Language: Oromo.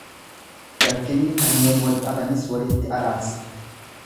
Rakkinni kanneen wal dhabanis walitti araarsa.